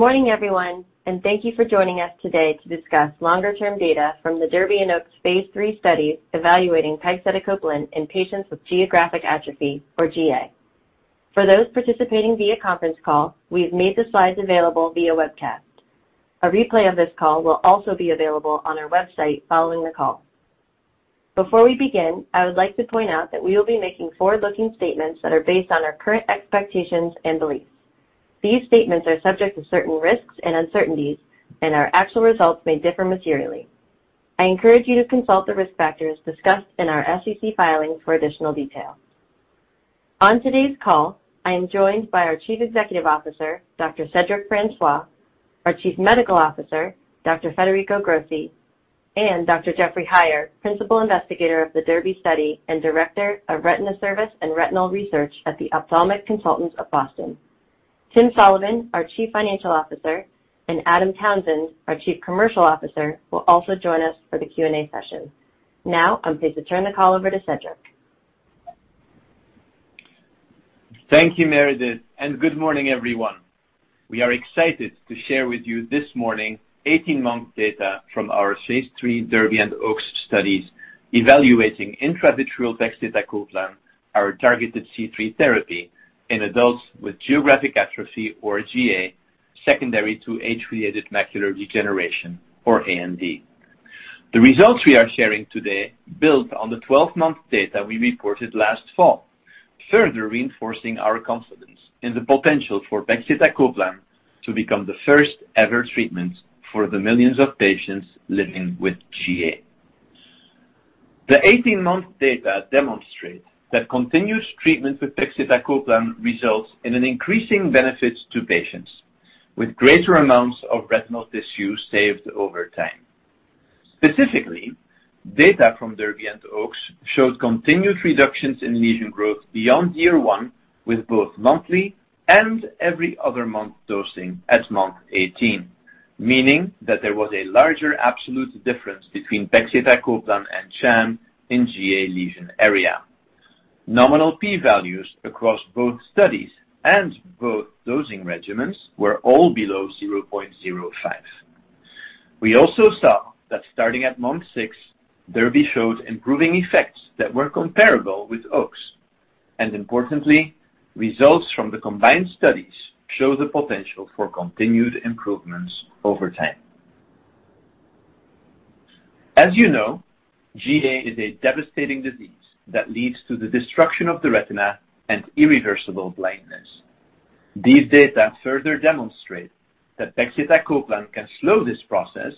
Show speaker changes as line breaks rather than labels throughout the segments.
Good morning, everyone, and thank you for joining us today to discuss longer-term data from the DERBY and OAKS phase III studies evaluating pegcetacoplan in patients with geographic atrophy or GA. For those participating via conference call, we have made the slides available via webcast. A replay of this call will also be available on our website following the call. Before we begin, I would like to point out that we will be making forward-looking statements that are based on our current expectations and beliefs. These statements are subject to certain risks and uncertainties, and our actual results may differ materially. I encourage you to consult the risk factors discussed in our SEC filings for additional details. On today's call, I am joined by our Chief Executive Officer, Dr. Cedric Francois, our Chief Medical Officer, Dr. Federico Grossi, and Dr. Jeffrey S. Heier, Principal Investigator of the DERBY study and Director of the Vitreoretinal Service and Director of Retina Research at the Ophthalmic Consultants of Boston. Timothy Sullivan, our Chief Financial Officer, and Adam Townsend, our Chief Commercial Officer, will also join us for the Q&A session. Now I'm pleased to turn the call over to Cedric.
Thank you, Meredith, and good morning, everyone. We are excited to share with you this morning 18-month data from our phase III DERBY and OAKS studies evaluating intravitreal pegcetacoplan, our targeted C3 therapy, in adults with geographic atrophy or GA, secondary to age-related macular degeneration or AMD. The results we are sharing today build on the 12-month data we reported last fall, further reinforcing our confidence in the potential for pegcetacoplan to become the first-ever treatment for the millions of patients living with GA. The 18-month data demonstrate that continuous treatment with pegcetacoplan results in an increasing benefit to patients with greater amounts of retinal tissue saved over time. Specifically, data from DERBY and OAKS showed continued reductions in lesion growth beyond year one with both monthly and every other month dosing at month 18, meaning that there was a larger absolute difference between pegcetacoplan and sham in GA lesion area. Nominal p-values across both studies and both dosing regimens were all below 0.05. We also saw that starting at month 6, DERBY showed improving effects that were comparable with OAKS. Importantly, results from the combined studies show the potential for continued improvements over time. As you know, GA is a devastating disease that leads to the destruction of the retina and irreversible blindness. These data further demonstrate that pegcetacoplan can slow this process,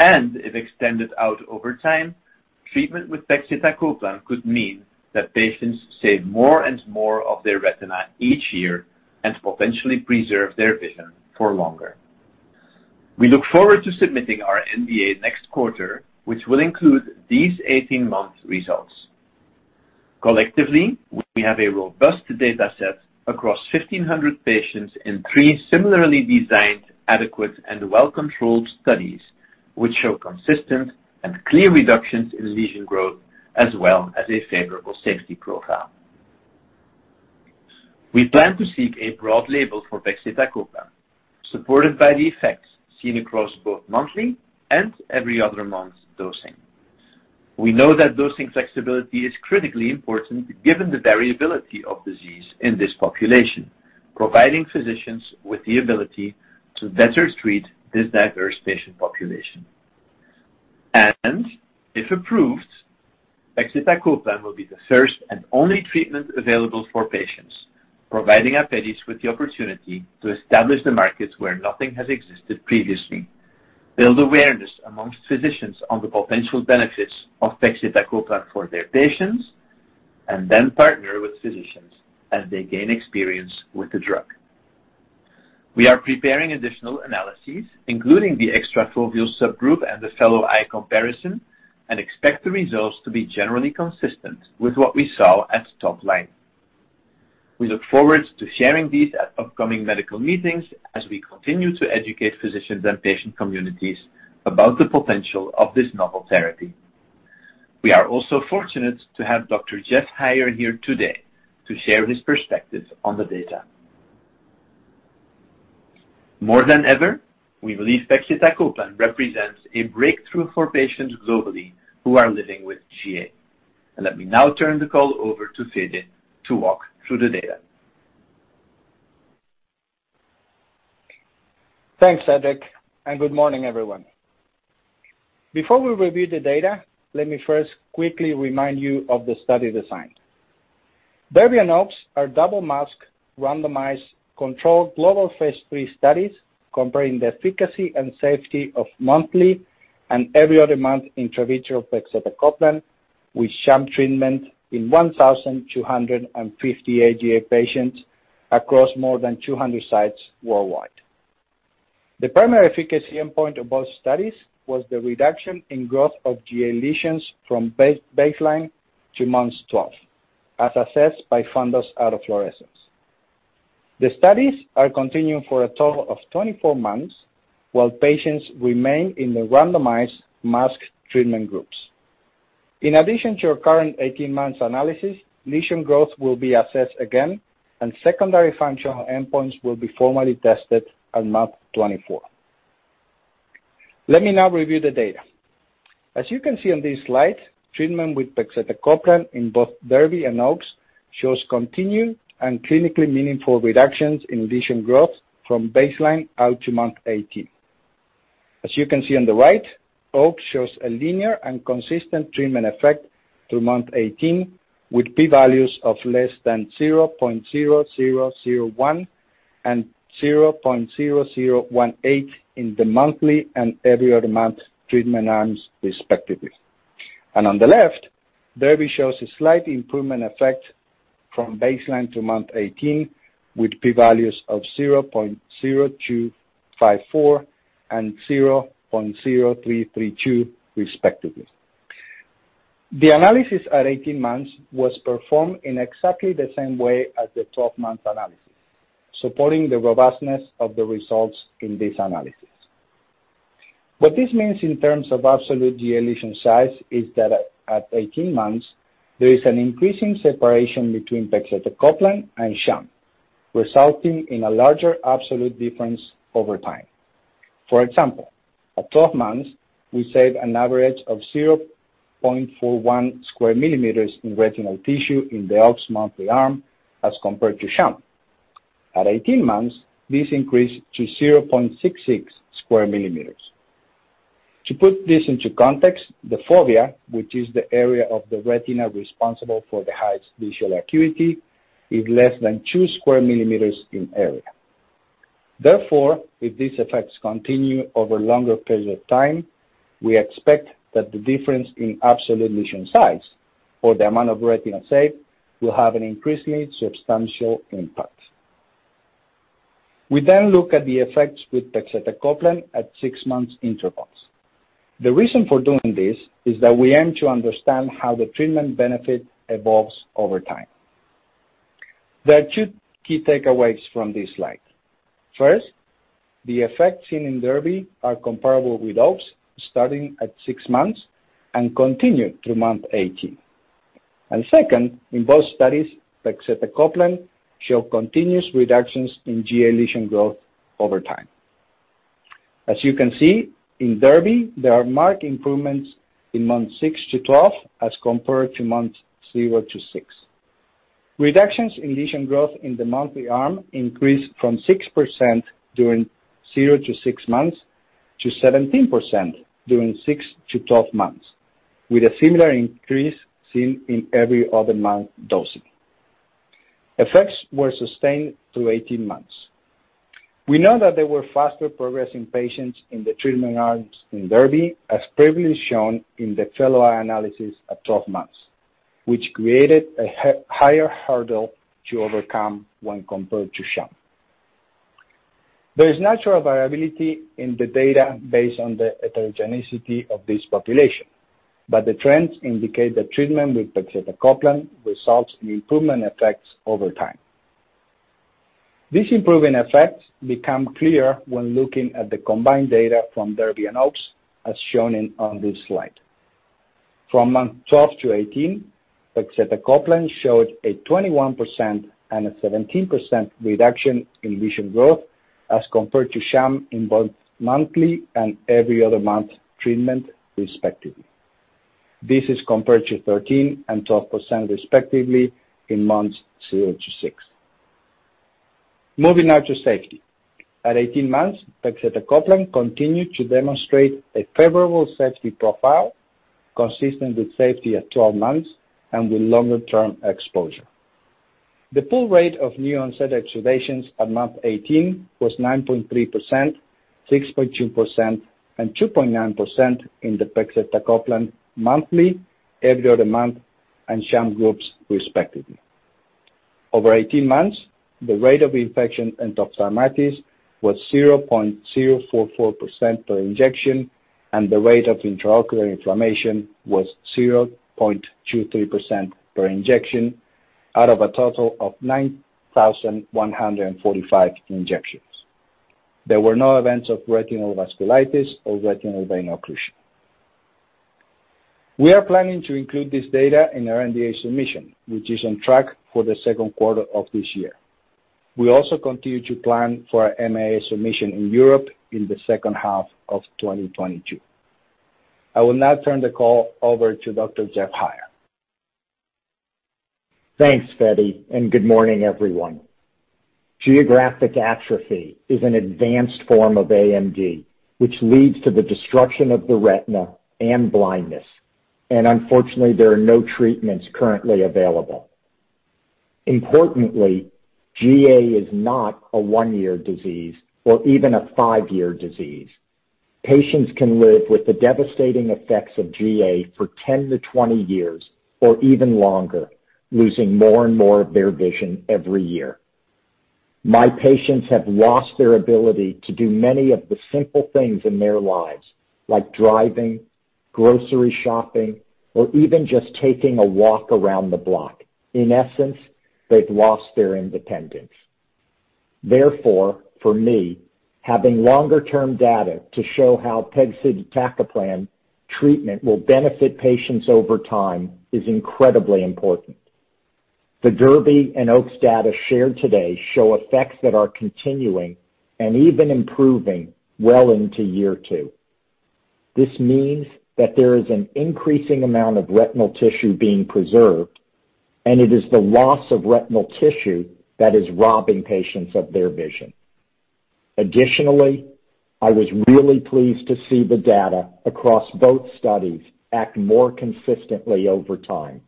and if extended out over time, treatment with pegcetacoplan could mean that patients save more and more of their retina each year and potentially preserve their vision for longer. We look forward to submitting our NDA next quarter, which will include these 18-month results. Collectively, we have a robust data set across 1,500 patients in three similarly designed, adequate, and well-controlled studies, which show consistent and clear reductions in lesion growth as well as a favorable safety profile. We plan to seek a broad label for pegcetacoplan, supported by the effects seen across both monthly and every other month dosing. We know that dosing flexibility is critically important given the variability of disease in this population, providing physicians with the ability to better treat this diverse patient population. If approved, pegcetacoplan will be the first and only treatment available for patients, providing Apellis with the opportunity to establish the markets where nothing has existed previously, build awareness among physicians on the potential benefits of pegcetacoplan for their patients, and then partner with physicians as they gain experience with the drug. We are preparing additional analyses, including the extrafoveal subgroup and the fellow eye comparison, and expect the results to be generally consistent with what we saw at top line. We look forward to sharing these at upcoming medical meetings as we continue to educate physicians and patient communities about the potential of this novel therapy. We are also fortunate to have Dr. Jeff Heier here today to share his perspective on the data. More than ever, we believe pegcetacoplan represents a breakthrough for patients globally who are living with GA. Let me now turn the call over to Federico Grossi to walk through the data.
Thanks, Cedric, and good morning, everyone. Before we review the data, let me first quickly remind you of the study design. DERBY and OAKS are double-masked randomized controlled global phase III studies comparing the efficacy and safety of monthly and every other month intravitreal pegcetacoplan with sham treatment in 1,250 GA patients across more than 200 sites worldwide. The primary efficacy endpoint of both studies was the reduction in growth of GA lesions from baseline to month 12, as assessed by fundus autofluorescence. The studies are continuing for a total of 24 months while patients remain in the randomized masked treatment groups. In addition to your current 18 months analysis, lesion growth will be assessed again and secondary functional endpoints will be formally tested at month 24. Let me now review the data. As you can see on this slide, treatment with pegcetacoplan in both DERBY and OAKS shows continued and clinically meaningful reductions in lesion growth from baseline out to month 18. As you can see on the right, OAKS shows a linear and consistent treatment effect through month 18, with p-values of less than 0.0001 and 0.0018 in the monthly and every other month treatment arms respectively. On the left, DERBY shows a slight improvement effect from baseline to month 18, with p-values of 0.0254 and 0.0332 respectively. The analysis at 18 months was performed in exactly the same way as the 12-month analysis, supporting the robustness of the results in this analysis. What this means in terms of absolute GA lesion size is that at 18 months there is an increasing separation between pegcetacoplan and sham, resulting in a larger absolute difference over time. For example, at 12 months, we save an average of 0.41 square millimeters in retinal tissue in the OAKS monthly arm as compared to sham. At 18 months, this increased to 0.66 square millimeters. To put this into context, the fovea, which is the area of the retina responsible for the highest visual acuity, is less than 2 square millimeters in area. Therefore, if these effects continue over longer periods of time, we expect that the difference in absolute lesion size or the amount of retinal saved will have an increasingly substantial impact. We then look at the effects with pegcetacoplan at six months intervals. The reason for doing this is that we aim to understand how the treatment benefit evolves over time. There are two key takeaways from this slide. First, the effects seen in DERBY are comparable with OAKS starting at six months and continue through month 18. Second, in both studies, pegcetacoplan show continuous reductions in GA lesion growth over time. As you can see, in DERBY, there are marked improvements in month 6 to 12 as compared to month 0 to 6. Reductions in lesion growth in the monthly arm increased from 6% during 0 to 6 months to 17% during 6 to 12 months, with a similar increase seen in every other month dosing. Effects were sustained through 18 months. We know that there were faster progressing patients in the treatment arms in DERBY, as previously shown in the fellow eye analysis at 12 months, which created a higher hurdle to overcome when compared to sham. There is natural variability in the data based on the heterogeneity of this population, but the trends indicate that treatment with pegcetacoplan results in improvement effects over time. These improving effects become clear when looking at the combined data from DERBY and OAKS, as shown on this slide. From month 12 to 18, pegcetacoplan showed a 21% and a 17% reduction in lesion growth as compared to sham in both monthly and every other month treatment, respectively. This is compared to 13% and 12% respectively in months 0 to 6. Moving now to safety. At 18 months, pegcetacoplan continued to demonstrate a favorable safety profile consistent with safety at 12 months and with longer term exposure. The pool rate of new onset exudations at month 18 was 9.3%, 6.2% and 2.9% in the pegcetacoplan monthly, every other month and sham groups respectively. Over 18 months, the rate of infection endophthalmitis was 0.044% per injection, and the rate of intraocular inflammation was 0.23% per injection out of a total of 9,145 injections. There were no events of retinal vasculitis or retinal vein occlusion. We are planning to include this data in our NDA submission, which is on track for the second quarter of this year. We also continue to plan for our MAA submission in Europe in the second half of 2022. I will now turn the call over to Dr. Jeff Heier.
Thanks, Fedy, and good morning, everyone. Geographic atrophy is an advanced form of AMD, which leads to the destruction of the retina and blindness, and unfortunately, there are no treatments currently available. Importantly, GA is not a 1-year disease or even a 5-year disease. Patients can live with the devastating effects of GA for 10-20 years or even longer, losing more and more of their vision every year. My patients have lost their ability to do many of the simple things in their lives, like driving, grocery shopping, or even just taking a walk around the block. In essence, they've lost their independence. Therefore, for me, having longer-term data to show how pegcetacoplan treatment will benefit patients over time is incredibly important. The DERBY and OAKS data shared today show effects that are continuing and even improving well into year two. This means that there is an increasing amount of retinal tissue being preserved, and it is the loss of retinal tissue that is robbing patients of their vision. Additionally, I was really pleased to see the data across both studies act more consistently over time.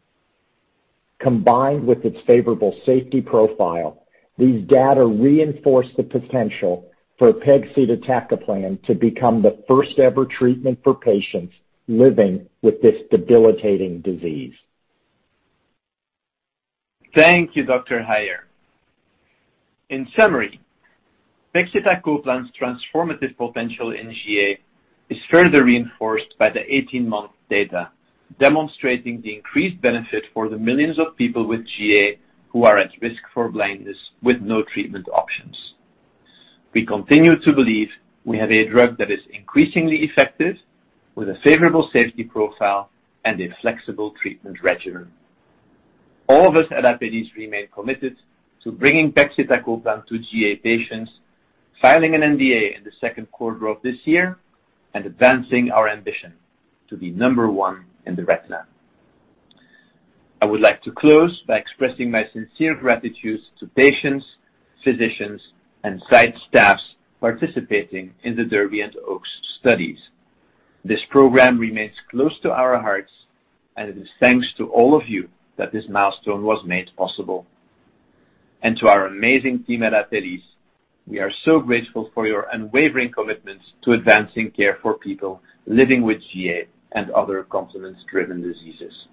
Combined with its favorable safety profile, these data reinforce the potential for pegcetacoplan to become the first-ever treatment for patients living with this debilitating disease.
Thank you, Dr. Heier. In summary, pegcetacoplan's transformative potential in GA is further reinforced by the 18-month data, demonstrating the increased benefit for the millions of people with GA who are at risk for blindness with no treatment options. We continue to believe we have a drug that is increasingly effective with a favorable safety profile and a flexible treatment regimen. All of us at Apellis remain committed to bringing pegcetacoplan to GA patients, filing an NDA in the second quarter of this year, and advancing our ambition to be number one in the retina. I would like to close by expressing my sincere gratitude to patients, physicians, and site staffs participating in the DERBY and OAKS studies. This program remains close to our hearts, and it is thanks to all of you that this milestone was made possible. To our amazing team at Apellis, we are so grateful for your unwavering commitment to advancing care for people living with GA and other complement-driven diseases.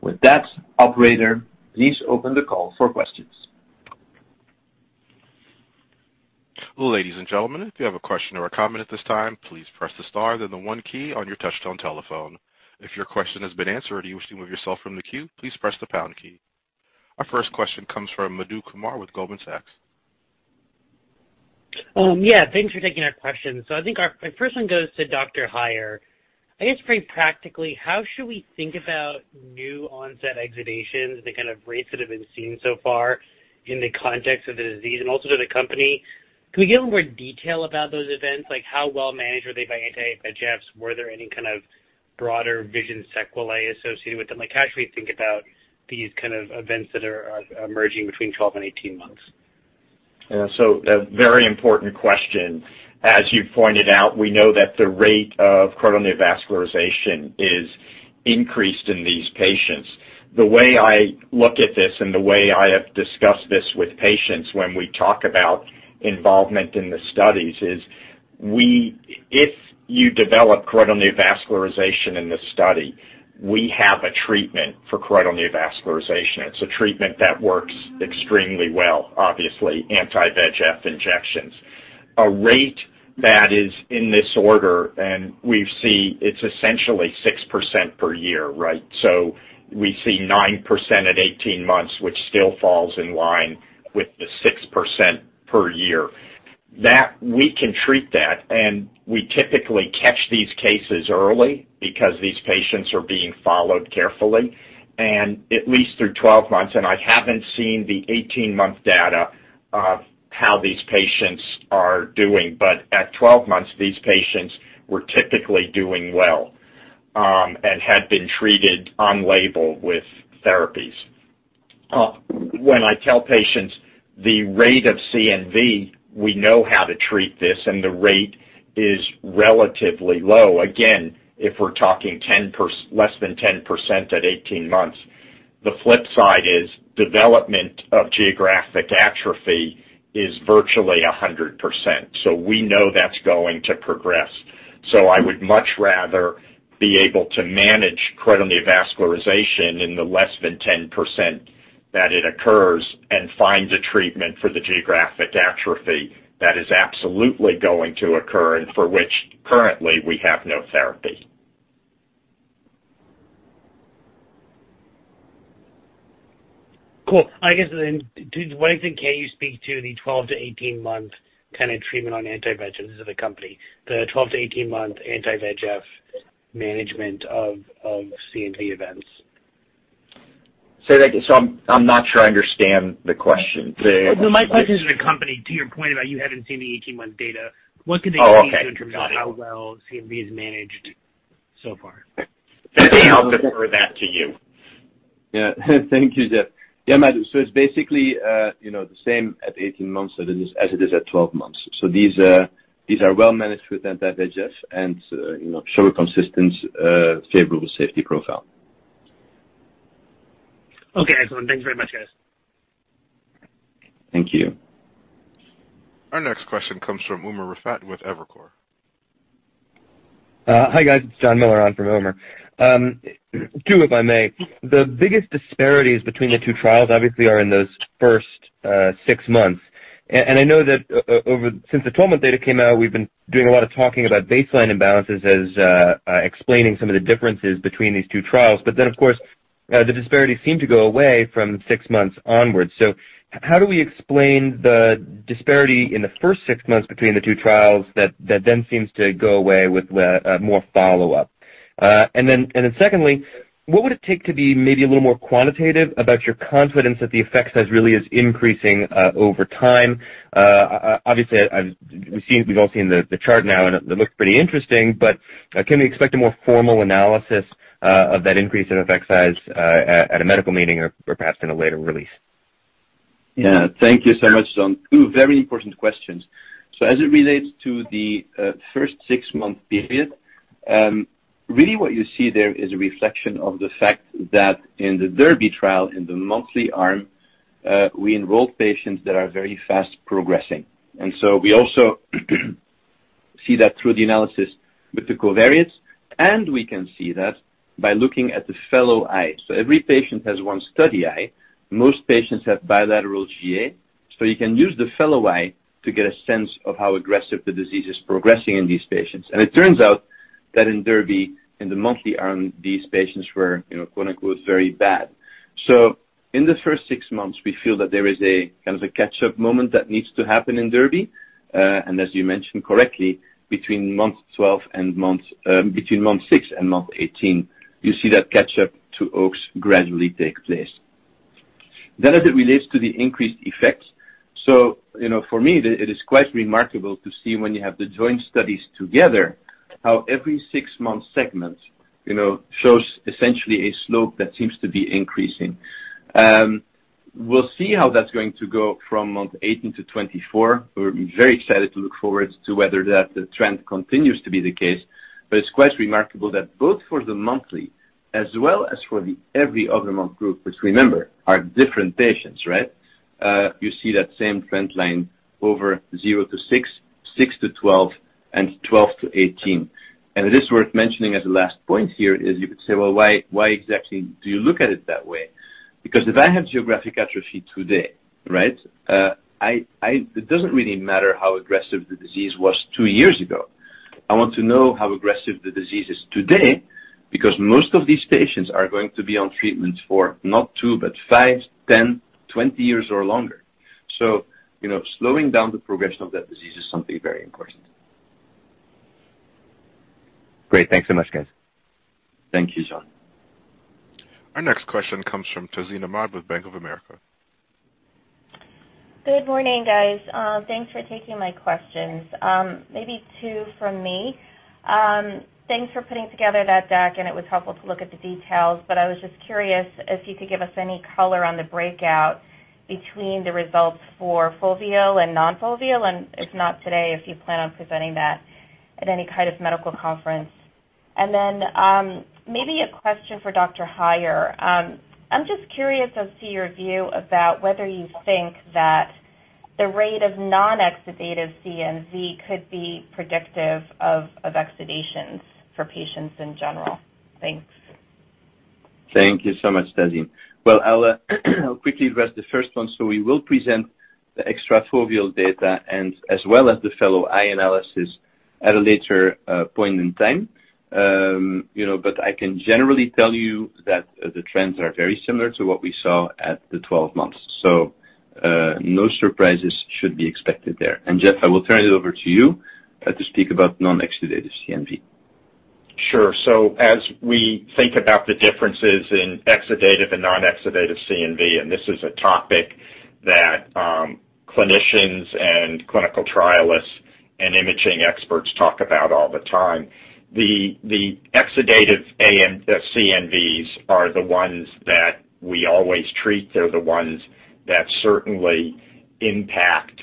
With that, operator, please open the call for questions.
Ladies and gentlemen, if you have a question or a comment at this time, please press the star, then the one key on your touchtone telephone. If your question has been answered or you wish to remove yourself from the queue, please press the pound key. Our first question comes from Salveen Richter with Goldman Sachs.
Yeah, thanks for taking our question. I think my first one goes to Dr. Heier. I guess pretty practically, how should we think about new onset exudations, the kind of rates that have been seen so far in the context of the disease? And also to the company, can we get a little more detail about those events? Like how well managed were they by anti-VEGFs? Were there any kind of broader vision sequelae associated with them? Like, how should we think about these kind of events that are emerging between 12 and 18 months?
Yeah. A very important question. As you pointed out, we know that the rate of choroidal neovascularization is increased in these patients. The way I look at this and the way I have discussed this with patients when we talk about involvement in the studies is we, if you develop choroidal neovascularization in this study, we have a treatment for choroidal neovascularization. It's a treatment that works extremely well, obviously, anti-VEGF injections. A rate that is in this order, and we see it's essentially 6% per year, right? We see 9% at 18 months, which still falls in line with the 6% per year. That, we can treat that, and we typically catch these cases early because these patients are being followed carefully. At least through 12 months, and I haven't seen the 18-month data of how these patients are doing, but at 12 months, these patients were typically doing well, and had been treated on label with therapies. When I tell patients the rate of CNV, we know how to treat this, and the rate is relatively low. Again, if we're talking less than 10% at 18 months. The flip side is development of geographic atrophy is virtually 100%. We know that's going to progress. I would much rather be able to manage choroidal neovascularization in the less than 10% that it occurs and find a treatment for the geographic atrophy that is absolutely going to occur and for which currently we have no therapy.
Cool. I guess to what extent can you speak to the 12- to 18-month kinda treatment on anti-VEGFs of the company? The 12- to 18-month anti-VEGF management of CNV events.
I'm not sure I understand the question. The-
No, my question is to the company, to your point about you haven't seen the 18-month data. What could they-
Oh, okay. Got it.
speak to in terms of how well CNV is managed so far?
I think I'll defer that to you.
Yeah. Thank you, Jeff. Yeah, Meredith. It's basically, you know, the same at 18 months as it is at 12 months. These are well managed with anti-VEGF, and, you know, show a consistent, favorable safety profile.
Okay, excellent. Thanks very much, guys.
Thank you.
Our next question comes from Umer Raffat with Evercore.
Hi, guys. It's Jonathan Miller on for Umer. Two, if I may. The biggest disparities between the two trials obviously are in those first six months. I know that over since the 12-month data came out, we've been doing a lot of talking about baseline imbalances as explaining some of the differences between these two trials. Then, of course, now the disparity seems to go away from six months onwards. How do we explain the disparity in the first six months between the two trials that then seems to go away with the more follow-up? Then secondly, what would it take to be maybe a little more quantitative about your confidence that the effect size really is increasing over time? Obviously we've all seen the chart now, and it looks pretty interesting, but can we expect a more formal analysis of that increase in effect size at a medical meeting or perhaps in a later release?
Yeah. Thank you so much, Jonathan. Two very important questions. As it relates to the first six-month period, really what you see there is a reflection of the fact that in the DERBY trial, in the monthly arm, we enrolled patients that are very fast progressing. We also see that through the analysis with the covariates, and we can see that by looking at the fellow eyes. Every patient has one study eye. Most patients have bilateral GA, so you can use the fellow eye to get a sense of how aggressive the disease is progressing in these patients. It turns out that in DERBY, in the monthly arm, these patients were, you know, quote, unquote, "very bad". In the first six months, we feel that there is a kind of a catch-up moment that needs to happen in DERBY. As you mentioned correctly, between month six and month 18, you see that catch-up to OAKS gradually take place. As it relates to the increased effects, so, you know, for me, it is quite remarkable to see when you have the joint studies together, how every six-month segments, you know, shows essentially a slope that seems to be increasing. We'll see how that's going to go from month 18 to 24. We're very excited to look forward to whether that trend continues to be the case. It's quite remarkable that both for the monthly as well as for the every other month group, which remember, are different patients, right? You see that same trend line over 0-6, 6-12, and 12-18. It is worth mentioning as a last point here is you could say, well, why exactly do you look at it that way? Because if I have geographic atrophy today, right, it doesn't really matter how aggressive the disease was two years ago. I want to know how aggressive the disease is today, because most of these patients are going to be on treatment for not 2 but 5, 10, 20 years or longer. You know, slowing down the progression of that disease is something very important.
Great. Thanks so much, guys.
Thank you, Jonathan.
Our next question comes from Tazeen Ahmad with Bank of America.
Good morning, guys. Thanks for taking my questions. Maybe two from me. Thanks for putting together that deck, and it was helpful to look at the details, but I was just curious if you could give us any color on the breakout between the results for foveal and non-foveal, and if not today, if you plan on presenting that at any kind of medical conference. Maybe a question for Dr. Heier. I'm just curious as to your view about whether you think that the rate of non-exudative CNV could be predictive of exudations for patients in general. Thanks.
Thank you so much, Tazeen. Well, I'll quickly address the first one. We will present the extrafoveal data and as well as the fellow eye analysis at a later point in time. You know, but I can generally tell you that the trends are very similar to what we saw at the 12 months. No surprises should be expected there. Jeff, I will turn it over to you to speak about non-exudative CNV.
Sure. As we think about the differences in exudative and non-exudative CNV, and this is a topic that clinicians and clinical trialists and imaging experts talk about all the time. The exudative CNVs are the ones that we always treat. They're the ones that certainly impact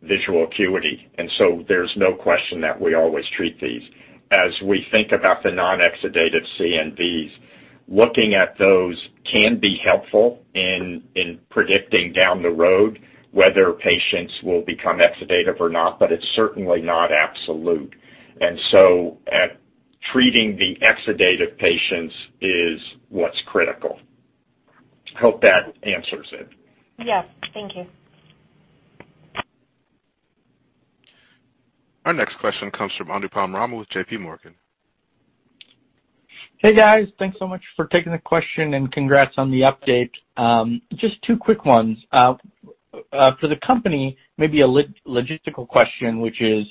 visual acuity, and so there's no question that we always treat these. As we think about the non-exudative CNVs, looking at those can be helpful in predicting down the road whether patients will become exudative or not, but it's certainly not absolute. Treating the exudative patients is what's critical. Hope that answers it.
Yes. Thank you.
Our next question comes from Anupam Rama with JPMorgan.
Hey, guys. Thanks so much for taking the question and congrats on the update. Just two quick ones. For the company, maybe a logistical question, which is,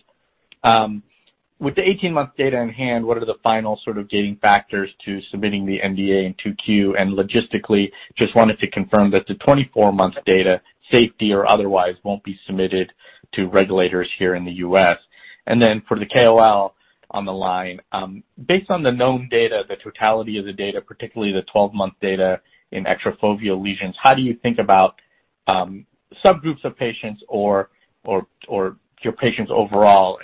with the 18-month data in hand, what are the final sort of gating factors to submitting the NDA in 2Q? And logistically, just wanted to confirm that the 24-month data, safety or otherwise, won't be submitted to regulators here in the U.S. For the KOL on the line, based on the known data, the totality of the data, particularly the 12-month data in extrafoveal lesions, how do you think about subgroups of patients or your patients overall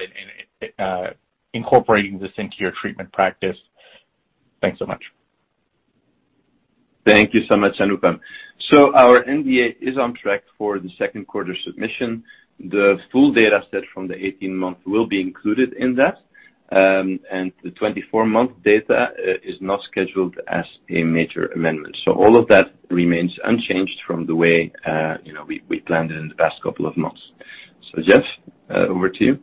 in incorporating this into your treatment practice? Thanks so much.
Thank you so much, Anupam. Our NDA is on track for the second quarter submission. The full data set from the 18-month will be included in that, and the 24-month data is not scheduled as a major amendment. All of that remains unchanged from the way we planned it in the past couple of months. Jeff, over to you.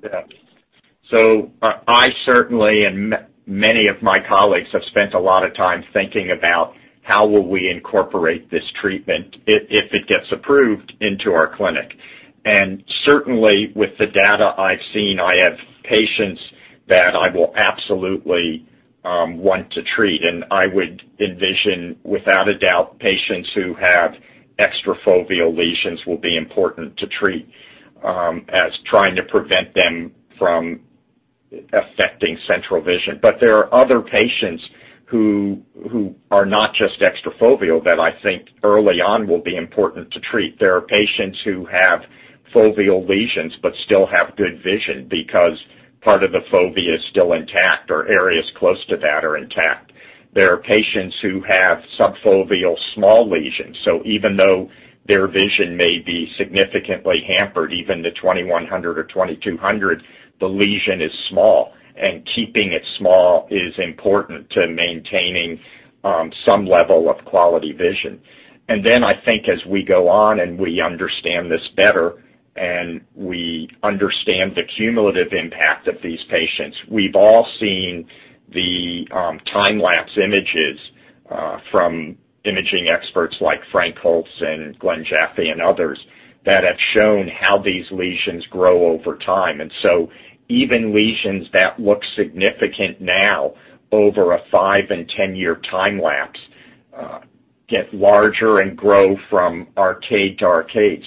I certainly, and many of my colleagues have spent a lot of time thinking about how will we incorporate this treatment if it gets approved into our clinic. Certainly, with the data I've seen, I have patients that I will absolutely want to treat. I would envision, without a doubt, patients who have extrafoveal lesions will be important to treat, as trying to prevent them from affecting central vision. There are other patients who are not just extrafoveal that I think early on will be important to treat. There are patients who have foveal lesions but still have good vision because part of the fovea is still intact or areas close to that are intact. There are patients who have subfoveal small lesions. Even though their vision may be significantly hampered, even to 20/100 or 20/200, the lesion is small, and keeping it small is important to maintaining some level of quality vision. Then I think as we go on and we understand this better and we understand the cumulative impact of these patients, we've all seen the time-lapse images from imaging experts like Frank Holz and Glenn J. Jaffe and others that have shown how these lesions grow over time. Even lesions that look significant now over a 5- and 10-year time lapse get larger and grow from arcade to arcade.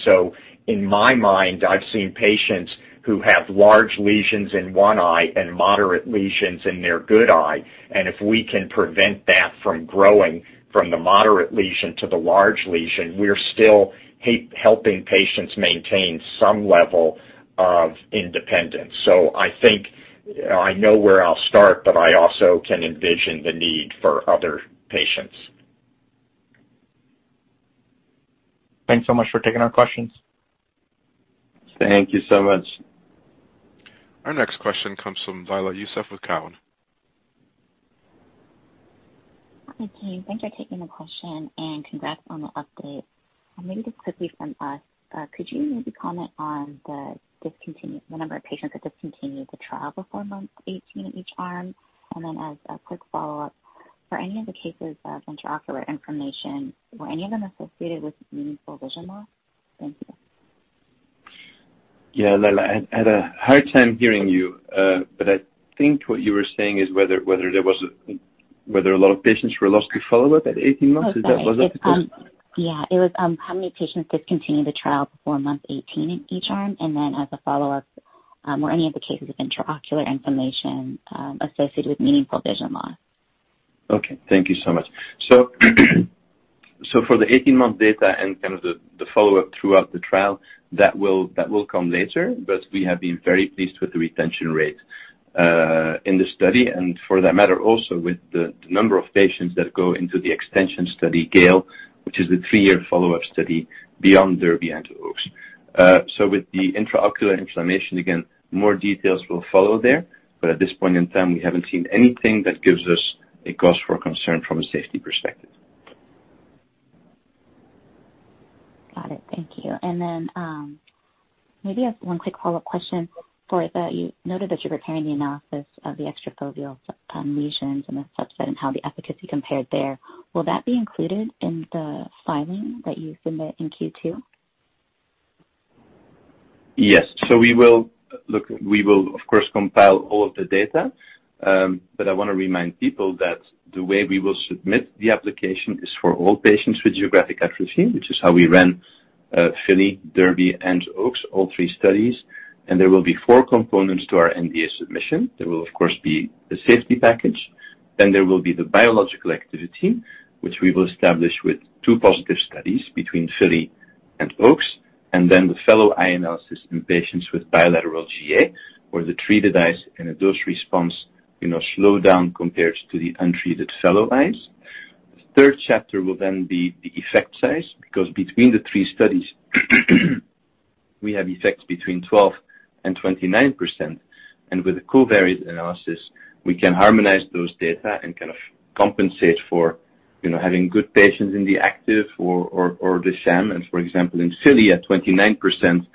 In my mind, I've seen patients who have large lesions in one eye and moderate lesions in their good eye. If we can prevent that from growing from the moderate lesion to the large lesion, we're still helping patients maintain some level of independence. I think I know where I'll start, but I also can envision the need for other patients.
Thanks so much for taking our questions.
Thank you so much.
Our next question comes from Lyla Youssef with Cowen.
Hi, team. Thanks for taking the question and congrats on the update. Maybe just quickly from us, could you maybe comment on the number of patients that discontinued the trial before month 18 in each arm? And then as a quick follow-up, for any of the cases of intraocular inflammation, were any of them associated with meaningful vision loss? Thank you.
Yeah, Lyla. I had a hard time hearing you, but I think what you were saying is whether a lot of patients were lost to follow-up at 18 months. Is that, was that the question?
Oh, sorry. It was how many patients discontinued the trial before month 18 in each arm. As a follow-up, were any of the cases of intraocular inflammation associated with meaningful vision loss?
Okay. Thank you so much. For the 18-month data and kind of the follow-up throughout the trial, that will come later. We have been very pleased with the retention rate in the study and for that matter also with the number of patients that go into the extension study, GALE, which is the 3-year follow-up study beyond DERBY and OAKS. With the intraocular inflammation, again, more details will follow there. We haven't seen anything that gives us a cause for concern from a safety perspective.
Got it. Thank you. Maybe I have one quick follow-up question. You noted that you're preparing the analysis of the extrafoveal lesions and the subset and how the efficacy compared there. Will that be included in the filing that you submit in Q2?
Look, we will of course compile all of the data, but I wanna remind people that the way we will submit the application is for all patients with geographic atrophy, which is how we ran FILLY, DERBY and OAKS, all three studies. There will be four components to our NDA submission. There will, of course, be the safety package, then there will be the biological activity, which we will establish with two positive studies between FILLY and OAKS, and then the fellow eye analysis in patients with bilateral GA, where the treated eyes and a dose response, you know, slow down compared to the untreated fellow eyes. The third chapter will then be the effect size, because between the three studies, we have effects between 12%-29%. With the covariate analysis, we can harmonize those data and kind of compensate for, you know, having good patients in the active or the sham. For example, in FILLY at 29%,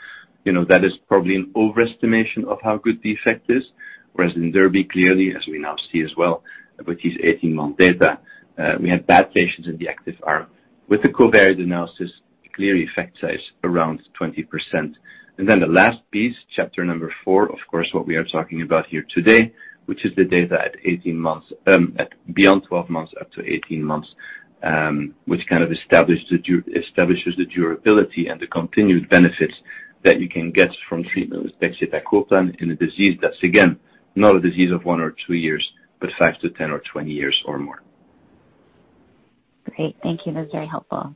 you know, that is probably an overestimation of how good the effect is. Whereas in DERBY, clearly, as we now see as well with these 18-month data, we had bad patients in the active arm. With the covariate analysis, clear effect size around 20%. The last piece, chapter four, of course, what we are talking about here today, which is the data at 18 months, at beyond 12 months, up to 18 months, which kind of establishes the durability and the continued benefits that you can get from treatment with pegcetacoplan in a disease that's, again, not a disease of one or two years, but 5-10 or 20 years or more.
Great. Thank you. That was very helpful.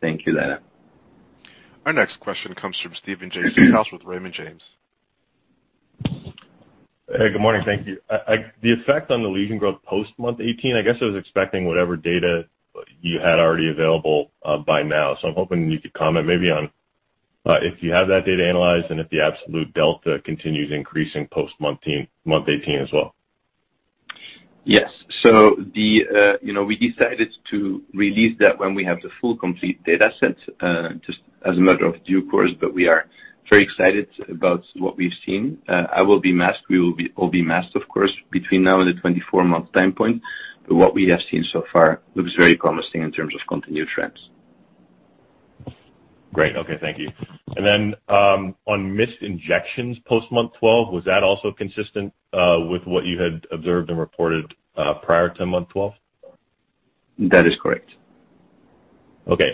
Thank you, Lyla.
Our next question comes from Steven Seedhouse with Raymond James.
Hey, good morning. Thank you. The effect on the lesion growth post-month 18, I guess I was expecting whatever data you had already available by now. I'm hoping you could comment maybe on if you have that data analyzed and if the absolute delta continues increasing post month 18 as well.
Yes. The, you know, we decided to release that when we have the full complete data set, just as a matter of due course, but we are very excited about what we've seen. I will be masked. We will all be masked, of course, between now and the 24-month time point. What we have seen so far looks very promising in terms of continued trends.
Great. Okay. Thank you. Then, on missed injections post month 12, was that also consistent with what you had observed and reported prior to month 12?
That is correct.
Okay.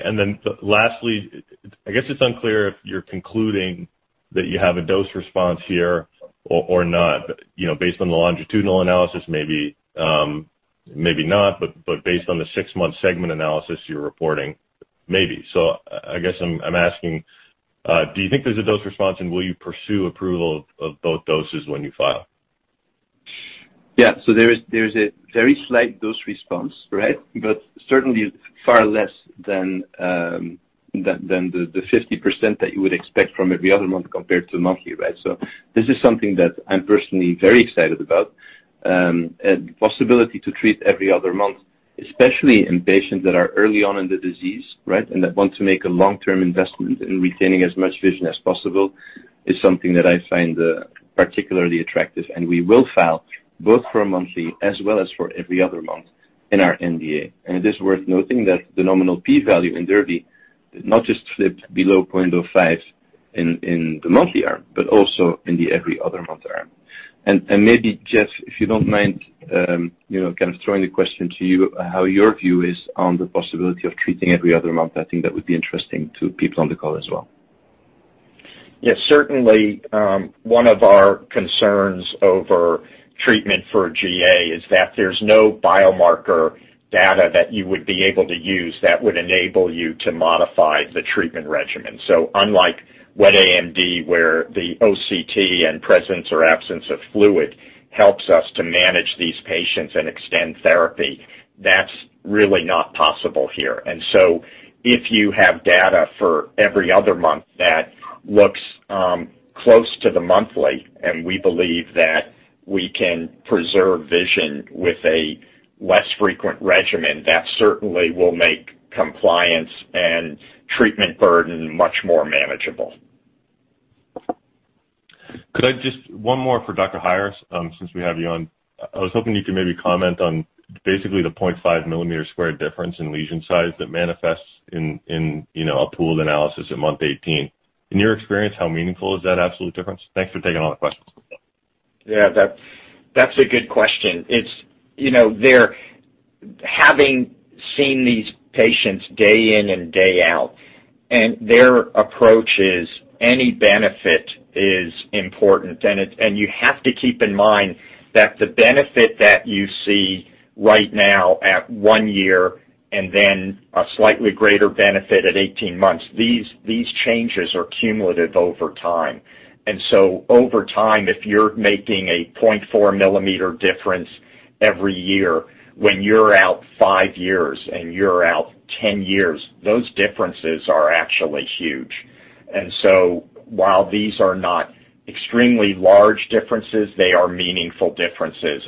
Lastly, I guess it's unclear if you're concluding that you have a dose response here or not, you know, based on the longitudinal analysis, maybe not, but based on the six-month segment analysis you're reporting, maybe. I guess I'm asking, do you think there's a dose response, and will you pursue approval of both doses when you file?
Yeah. There is a very slight dose response, right? Certainly far less than the 50% that you would expect from every other month compared to monthly, right? This is something that I'm personally very excited about. Possibility to treat every other month, especially in patients that are early on in the disease, right, and that want to make a long-term investment in retaining as much vision as possible, is something that I find particularly attractive. We will file both for a monthly as well as for every other month in our NDA. It is worth noting that the nominal p-value in DERBY did not just flip below 0.05 in the monthly arm, but also in the every other month arm. Maybe, Jeff, if you don't mind, you know, kind of throwing the question to you, how your view is on the possibility of treating every other month. I think that would be interesting to people on the call as well.
Yes, certainly, one of our concerns over treatment for GA is that there's no biomarker data that you would be able to use that would enable you to modify the treatment regimen. Unlike wet AMD, where the OCT and presence or absence of fluid helps us to manage these patients and extend therapy, that's really not possible here. If you have data for every other month that looks close to the monthly, and we believe that we can preserve vision with a less frequent regimen, that certainly will make compliance and treatment burden much more manageable.
Could I just one more for Dr. Heier, since we have you on. I was hoping you could maybe comment on basically the 0.5 millimeter squared difference in lesion size that manifests in, you know, a pooled analysis at month 18. In your experience, how meaningful is that absolute difference? Thanks for taking all the questions.
Yeah. That, that's a good question. It's, you know, they're having seen these patients day in and day out, and their approach is any benefit is important. You have to keep in mind that the benefit that you see right now at one year and then a slightly greater benefit at 18 months, these changes are cumulative over time. Over time, if you're making a 0.4 millimeter difference every year, when you're out five years and you're out 10 years, those differences are actually huge. While these are not extremely large differences, they are meaningful differences.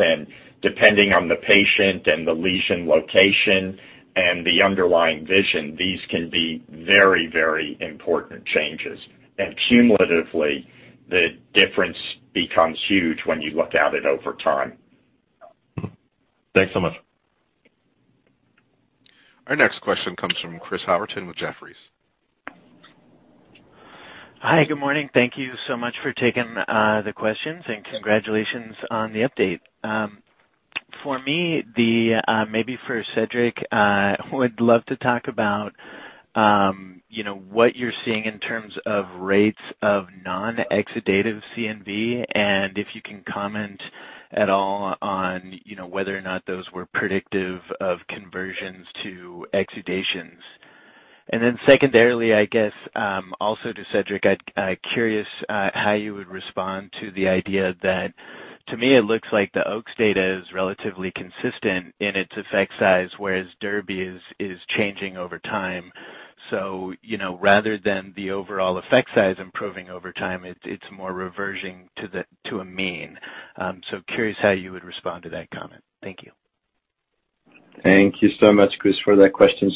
Depending on the patient and the lesion location and the underlying vision, these can be very, very important changes. Cumulatively, the difference becomes huge when you look at it over time.
Thanks so much.
Our next question comes from Chris Howerton with Jefferies.
Hi. Good morning. Thank you so much for taking the questions, and congratulations on the update. For me, maybe for Cedric, would love to talk about, you know, what you're seeing in terms of rates of non-exudative CNV, and if you can comment at all on, you know, whether or not those were predictive of conversions to exudations. Then secondarily, I guess, also to Cedric, I'm curious how you would respond to the idea that to me it looks like the OAKS data is relatively consistent in its effect size, whereas DERBY is changing over time. You know, rather than the overall effect size improving over time, it's more reversing to the, to a mean. So curious how you would respond to that comment. Thank you.
Thank you so much, Chris, for that question.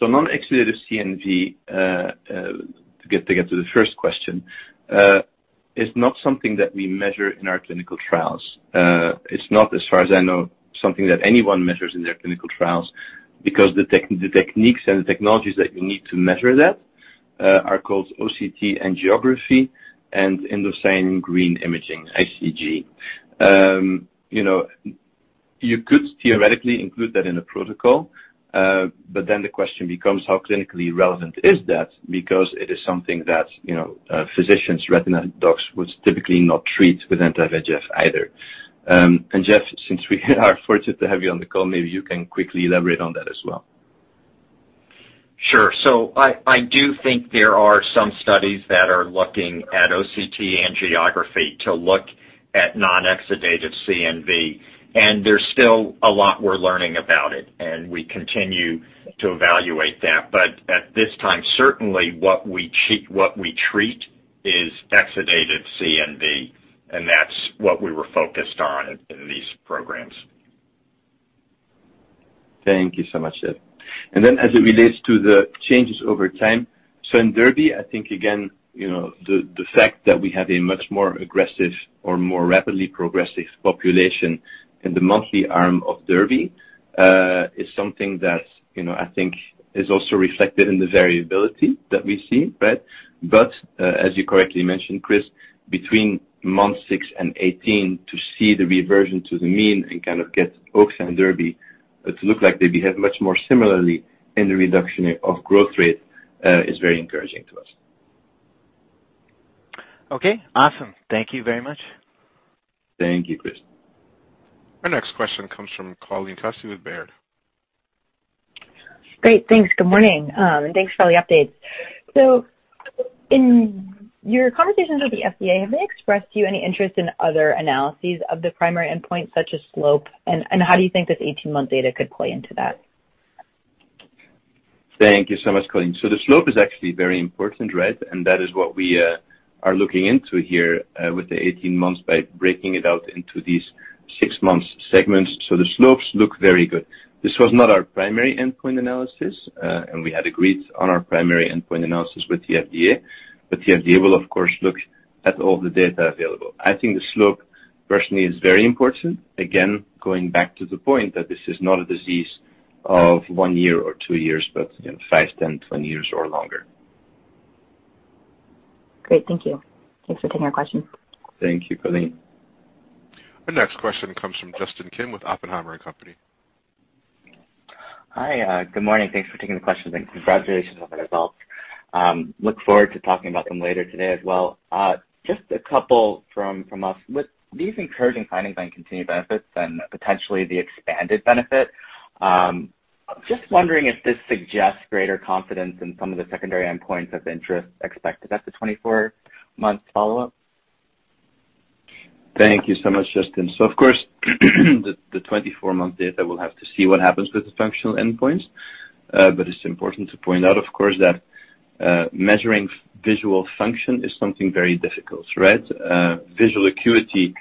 Non-exudative CNV, to get to the first question, is not something that we measure in our clinical trials. It's not, as far as I know, something that anyone measures in their clinical trials because the techniques and the technologies that you need to measure that are called OCT angiography and indocyanine green angiography, ICG. You know, you could theoretically include that in a protocol, but then the question becomes how clinically relevant is that because it is something that, you know, physicians, retina docs would typically not treat with anti-VEGF either. Jeff, since we are fortunate to have you on the call, maybe you can quickly elaborate on that as well.
Sure. I do think there are some studies that are looking at OCT angiography to look at non-exudative CNV, and there's still a lot we're learning about it, and we continue to evaluate that. At this time, certainly what we treat is exudative CNV, and that's what we were focused on in these programs.
Thank you so much, Jeff. Then as it relates to the changes over time, so in DERBY, I think again, you know, the fact that we have a much more aggressive or more rapidly progressive population in the monthly arm of DERBY, is something that, you know, I think is also reflected in the variability that we see, right? But, as you correctly mentioned, Chris, between month six and 18 to see the reversion to the mean and kind of get OAKS and DERBY to look like they behave much more similarly in the reduction of growth rate, is very encouraging to us. Okay. Awesome. Thank you very much. Thank you, Chris.
Our next question comes from Colleen Kusy with Baird.
Great. Thanks. Good morning. Thanks for all the updates. In your conversations with the FDA, have they expressed to you any interest in other analyses of the primary endpoint, such as slope? How do you think this 18-month data could play into that?
Thank you so much, Colleen. The slope is actually very important, right? That is what we are looking into here with the 18 months by breaking it out into these six months segments. The slopes look very good. This was not our primary endpoint analysis, and we had agreed on our primary endpoint analysis with the FDA, but the FDA will of course look at all the data available. I think the slope personally is very important. Again, going back to the point that this is not a disease of one year or two years, but five, 10, 20 years or longer.
Great. Thank you. Thanks for taking our question.
Thank you, Colleen.
Our next question comes from Justin Kim with Oppenheimer & Co
Hi. Good morning. Thanks for taking the question. Congratulations on the results. Look forward to talking about them later today as well. Just a couple from us. With these encouraging findings on continued benefits and potentially the expanded benefit, just wondering if this suggests greater confidence in some of the secondary endpoints of interest expected at the 24-month follow-up?
Thank you so much, Justin. Of course, the 24-month data will have to see what happens with the functional endpoints. It's important to point out, of course, that measuring visual function is something very difficult, right? Visual acuity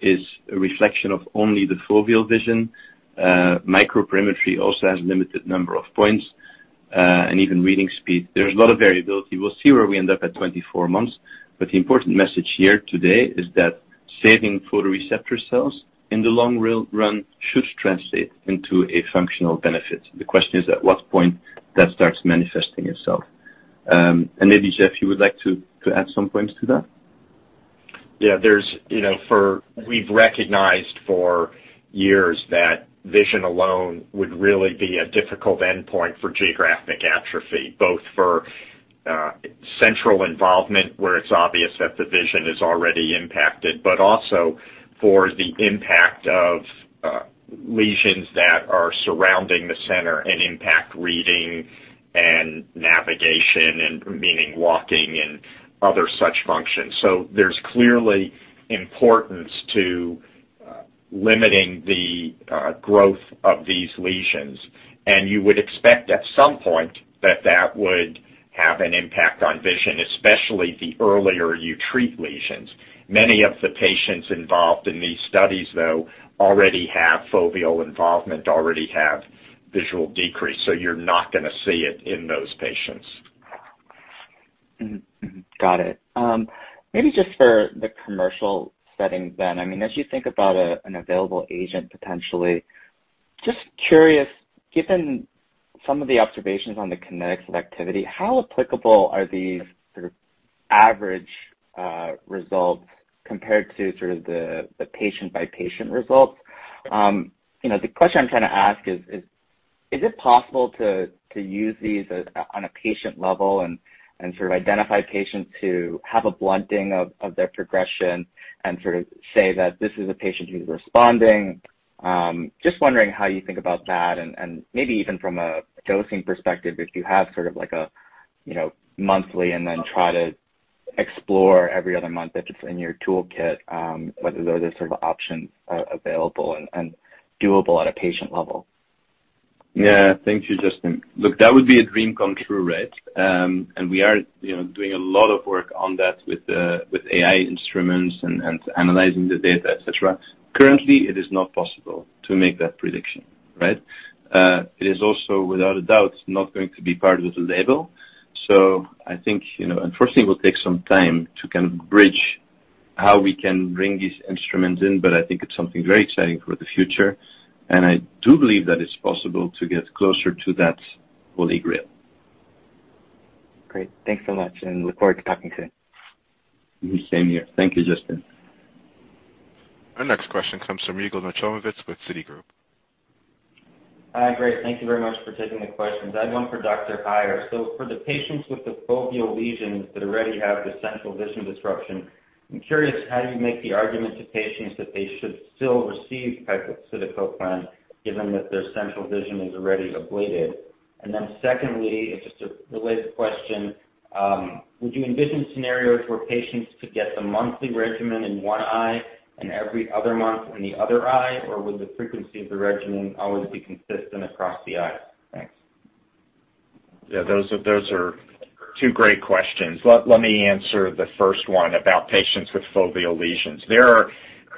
is a reflection of only the foveal vision. Microperimetry also has limited number of points, and even reading speed. There's a lot of variability. We'll see where we end up at 24 months. The important message here today is that saving photoreceptor cells in the long run should translate into a functional benefit. The question is at what point that starts manifesting itself. Maybe, Jeff, you would like to add some points to that.
Yeah. You know, we've recognized for years that vision alone would really be a difficult endpoint for geographic atrophy, both for central involvement, where it's obvious that the vision is already impacted, but also for the impact of lesions that are surrounding the center and impact reading and navigation, meaning walking and other such functions. There's clearly importance to limiting the growth of these lesions. You would expect at some point that that would have an impact on vision, especially the earlier you treat lesions. Many of the patients involved in these studies, though, already have foveal involvement, already have visual decrease, so you're not gonna see it in those patients.
Got it. Maybe just for the commercial setting then. I mean, as you think about an available agent potentially, just curious, given some of the observations on the kinetics of activity, how applicable are these sort of average results compared to sort of the patient-by-patient results? You know, the question I'm trying to ask is it possible to use these on a patient level and sort of identify patients who have a blunting of their progression and sort of say that this is a patient who's responding? Just wondering how you think about that and maybe even from a dosing perspective, if you have sort of like a, you know, monthly and then try to explore every other month if it's in your toolkit, whether those are sort of options available and doable at a patient level.
Yeah. Thank you, Justin. Look, that would be a dream come true, right? We are, you know, doing a lot of work on that with AI instruments and analyzing the data, et cetera. Currently, it is not possible to make that prediction, right? It is also without a doubt, not going to be part of the label. I think, you know, unfortunately, it will take some time to bridge how we can bring these instruments in. I think it's something very exciting for the future, and I do believe that it's possible to get closer to that holy grail.
Great. Thanks so much, and I look forward to talking soon.
Same here. Thank you, Justin.
Our next question comes from Yigal Nochomovitz with Citigroup.
Hi. Great. Thank you very much for taking the questions. I have one for Dr. Heier. For the patients with the foveal lesions that already have the central vision disruption, I'm curious, how do you make the argument to patients that they should still receive pegcetacoplan, given that their central vision is already ablated? Then secondly, it's just a related question, would you envision scenarios where patients could get the monthly regimen in one eye and every other month in the other eye, or would the frequency of the regimen always be consistent across the eyes? Thanks.
Yeah, those are two great questions. Let me answer the first one about patients with foveal lesions.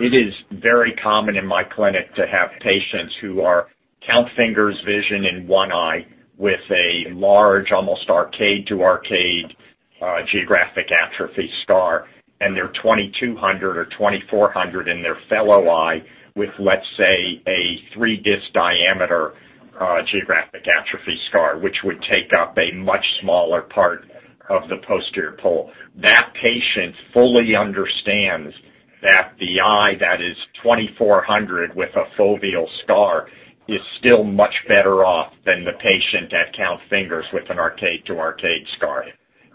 It is very common in my clinic to have patients who are count fingers vision in one eye with a large, almost arcade to arcade, geographic atrophy scar, and they're 20/200 or 20/400 in their fellow eye with, let's say, a three disc diameter, geographic atrophy scar, which would take up a much smaller part of the posterior pole. That patient fully understands that the eye that is 20/400 with a foveal scar is still much better off than the patient at count fingers with an arcade to arcade scar.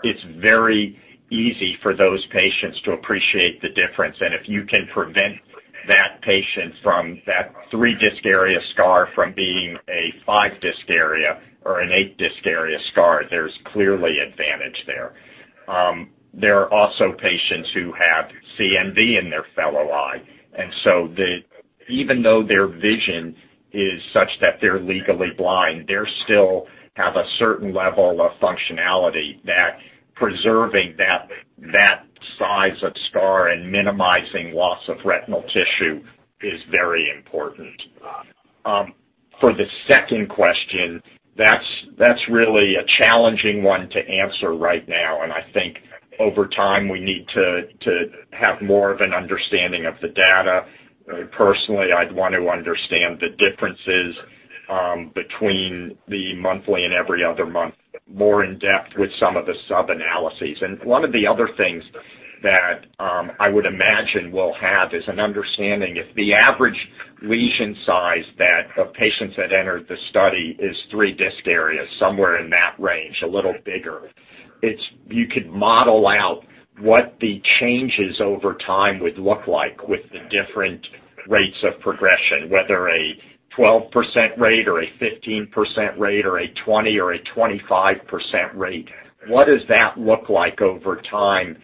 It's very easy for those patients to appreciate the difference. If you can prevent that patient from that 3 disc area scar from being a 5 disc area or an 8 disc area scar, there's clearly advantage there. There are also patients who have CNV in their fellow eye. Even though their vision is such that they're legally blind, they still have a certain level of functionality that preserving that size of scar and minimizing loss of retinal tissue is very important. For the second question, that's really a challenging one to answer right now. I think over time, we need to have more of an understanding of the data. Personally, I'd want to understand the differences between the monthly and every other month more in depth with some of the sub-analyses. One of the other things that I would imagine we'll have is an understanding of the average lesion size of patients that entered the study is 3 disc areas, somewhere in that range, a little bigger. You could model out what the changes over time would look like with the different rates of progression, whether a 12% rate or a 15% rate or a 20% or a 25% rate. What does that look like over time?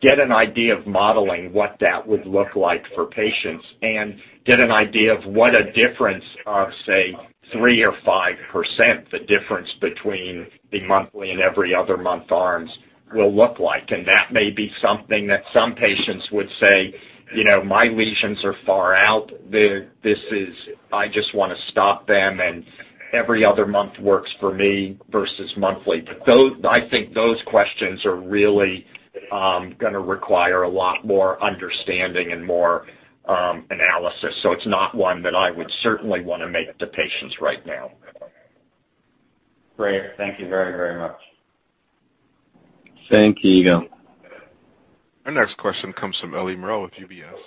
Get an idea of modeling what that would look like for patients, and get an idea of what a difference of, say, 3% or 5%, the difference between the monthly and every other month arms will look like. That may be something that some patients would say, you know, my lesions are far out. This is, I just wanna stop them, and every other month works for me versus monthly. I think those questions are really gonna require a lot more understanding and more analysis. It's not one that I would certainly want to make to patients right now.
Great. Thank you very, very much.
Thank you.
Our next question comes from Eliana Merle with UBS.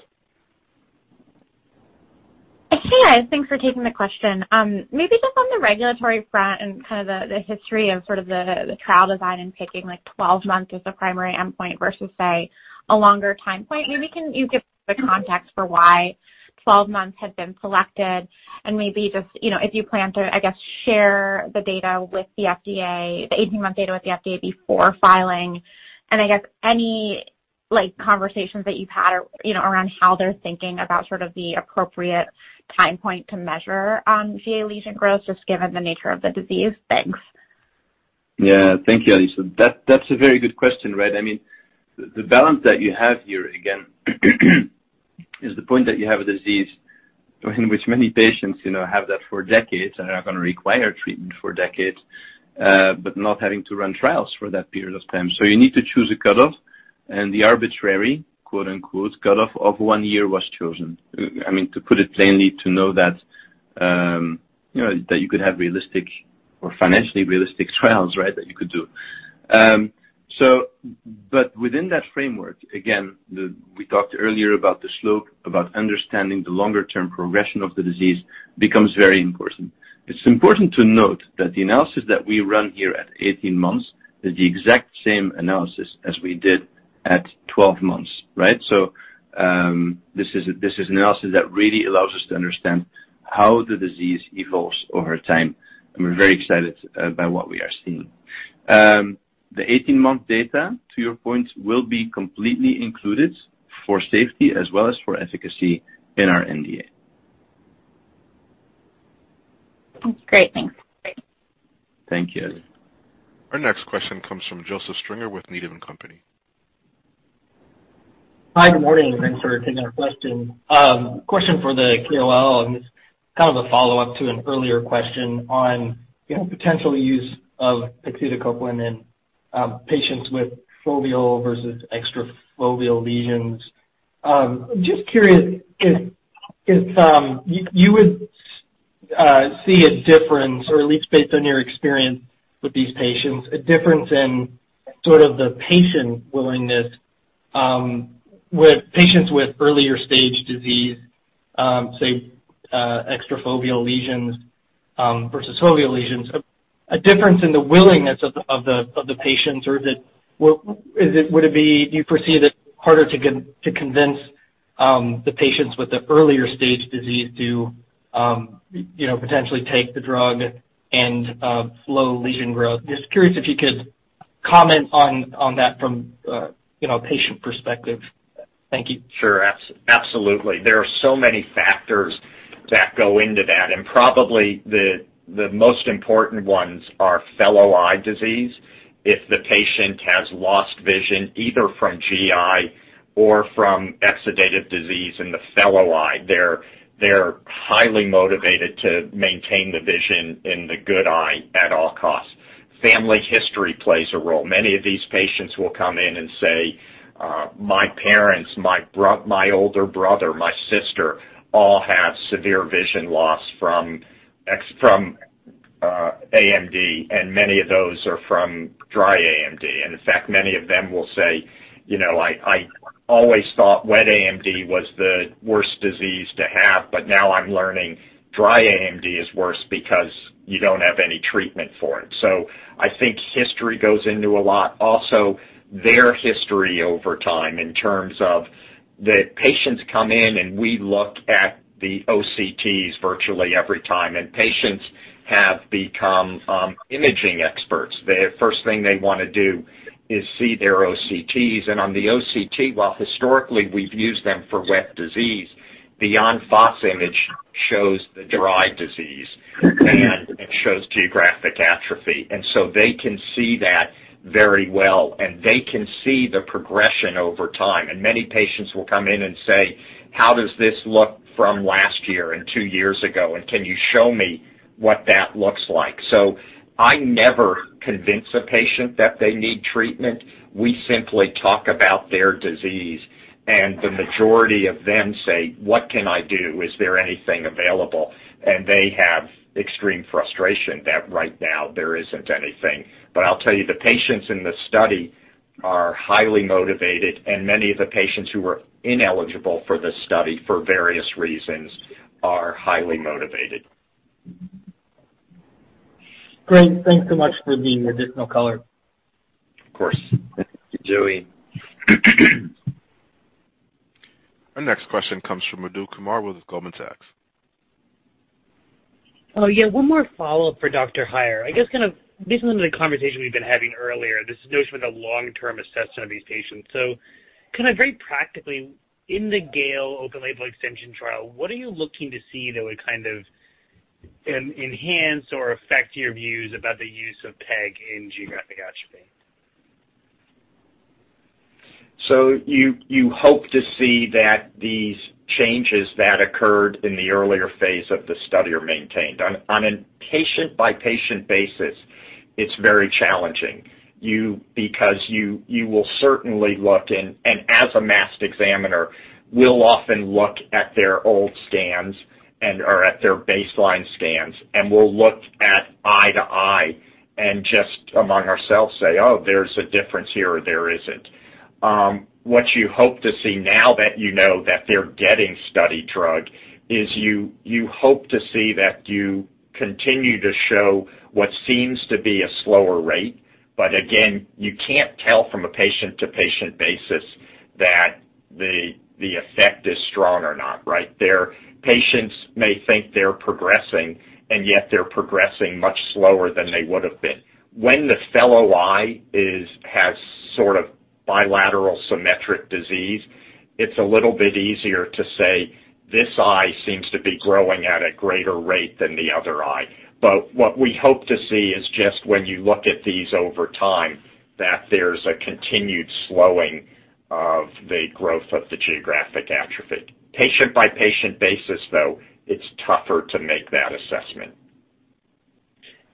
Hey, guys. Thanks for taking the question. Maybe just on the regulatory front and kind of the history of sort of the trial design and picking like 12 months as a primary endpoint versus, say, a longer time point. Maybe can you give the context for why 12 months had been selected and maybe just, you know, if you plan to, I guess, share the data with the FDA, the 18-month data with the FDA before filing. I guess any, like, conversations that you've had, you know, around how they're thinking about sort of the appropriate time point to measure GA lesion growth, just given the nature of the disease. Thanks.
Yeah. Thank you, Ellie. That's a very good question, right? I mean, the balance that you have here again is the point that you have a disease in which many patients, you know, have that for decades and are gonna require treatment for decades, but not having to run trials for that period of time. You need to choose a cutoff, and the arbitrary, quote, unquote, cutoff of one year was chosen. I mean, to put it plainly, to know that, you know, that you could have realistic or financially realistic trials, right, that you could do. Within that framework, again, we talked earlier about the slope, about understanding the longer term progression of the disease becomes very important. It's important to note that the analysis that we run here at 18 months is the exact same analysis as we did at 12 months, right? This is an analysis that really allows us to understand how the disease evolves over time, and we're very excited by what we are seeing. The 18-month data, to your point, will be completely included for safety as well as for efficacy in our NDA.
Great. Thanks.
Thank you, Ellie.
Our next question comes from Joseph Stringer with Needham & Company.
Hi, good morning. Thanks for taking our question. Question for the KOL, and it's kind of a follow-up to an earlier question on, you know, potential use of pegcetacoplan in patients with foveal versus extrafoveal lesions. Just curious if you would see a difference or at least based on your experience with these patients, a difference in sort of the patient willingness with patients with earlier stage disease, say, extrafoveal lesions versus foveal lesions. A difference in the willingness of the patients or would it be you foresee that harder to convince the patients with the earlier stage disease to, you know, potentially take the drug and slow lesion growth. Just curious if you could Comment on that from, you know, patient perspective. Thank you.
Sure, absolutely. There are so many factors that go into that, and probably the most important ones are fellow eye disease. If the patient has lost vision either from GA or from exudative disease in the fellow eye, they're highly motivated to maintain the vision in the good eye at all costs. Family history plays a role. Many of these patients will come in and say, "My parents, my older brother, my sister, all have severe vision loss from AMD, and many of those are from dry AMD." In fact, many of them will say, "You know, I always thought wet AMD was the worst disease to have, but now I'm learning dry AMD is worse because you don't have any treatment for it." I think history goes into a lot. Also, their history over time in terms of the patients come in, and we look at the OCTs virtually every time, and patients have become imaging experts. The first thing they wanna do is see their OCTs. On the OCT, while historically we've used them for wet disease, the En face image shows the dry disease, and it shows geographic atrophy. They can see that very well, and they can see the progression over time. Many patients will come in and say, "How does this look from last year and two years ago? And can you show me what that looks like?" I never convince a patient that they need treatment. We simply talk about their disease, and the majority of them say, "What can I do? Is there anything available?" They have extreme frustration that right now there isn't anything. I'll tell you, the patients in the study are highly motivated, and many of the patients who are ineligible for this study for various reasons are highly motivated.
Great. Thanks so much for the additional color.
Of course. Thank you, Joseph.
Our next question comes from Salveen Richter with Goldman Sachs.
Oh, yeah, one more follow-up for Dr. Heier. I guess kind of based on the conversation we've been having earlier, this has been a long-term assessment of these patients. Kinda very practically, in the GALE open-label extension trial, what are you looking to see that would kind of enhance or affect your views about the use of PEG in geographic atrophy?
You hope to see that these changes that occurred in the earlier phase of the study are maintained. On a patient-by-patient basis, it's very challenging. Because you will certainly look and as a masked examiner, we'll often look at their old scans and/or at their baseline scans, and we'll look eye to eye and just among ourselves say, "Oh, there's a difference here or there isn't." What you hope to see now that you know that they're getting study drug is you hope to see that you continue to show what seems to be a slower rate. But again, you can't tell from a patient-to-patient basis that the effect is strong or not, right? Their patients may think they're progressing, and yet they're progressing much slower than they would have been. When the fellow eye is... Has sort of bilateral symmetric disease, it's a little bit easier to say, "This eye seems to be growing at a greater rate than the other eye." What we hope to see is just when you look at these over time, that there's a continued slowing of the growth of the geographic atrophy. Patient-by-patient basis, though, it's tougher to make that assessment.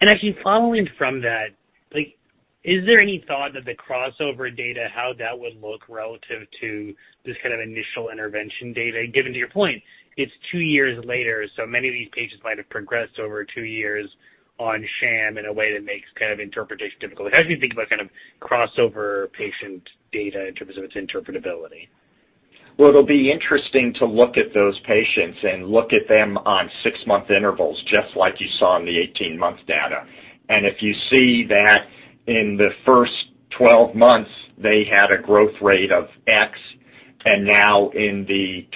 Actually following from that, like, is there any thought that the crossover data, how that would look relative to this kind of initial intervention data? Given your point, it's two years later, so many of these patients might have progressed over two years on sham in a way that makes kind of interpretation difficult. How do you think about kind of crossover patient data in terms of its interpretability?
Well, it'll be interesting to look at those patients and look at them on six-month intervals, just like you saw in the 18-month data. If you see that in the first 12 months, they had a growth rate of X, and now in the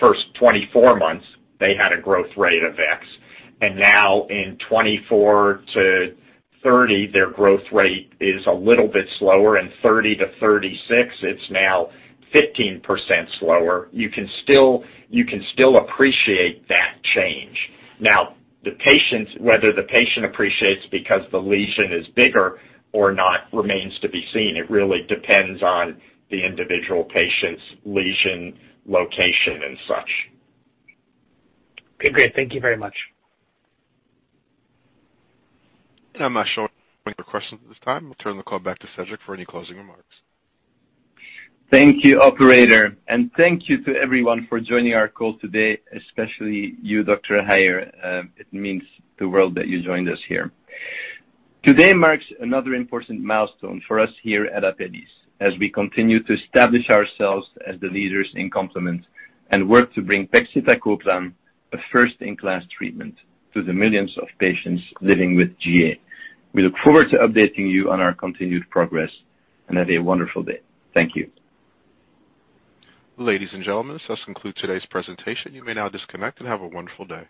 first 24 months, they had a growth rate of X. Now in 24 to 30, their growth rate is a little bit slower. In 30 to 36, it's now 15% slower. You can still appreciate that change. Now, the patients, whether the patient appreciates because the lesion is bigger or not, remains to be seen. It really depends on the individual patient's lesion location and such.
Okay, great. Thank you very much.
I'm not showing any other questions at this time. I'll turn the call back to Cedric for any closing remarks.
Thank you, operator. Thank you to everyone for joining our call today, especially you, Dr. Heier. It means the world that you joined us here. Today marks another important milestone for us here at Apellis as we continue to establish ourselves as the leaders in complement and work to bring pegcetacoplan, a first-in-class treatment to the millions of patients living with GA. We look forward to updating you on our continued progress, and have a wonderful day. Thank you.
Ladies and gentlemen, this does conclude today's presentation. You may now disconnect and have a wonderful day.